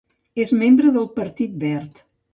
És membre del Partit Verd.